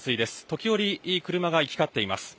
時折、車が行き交っています。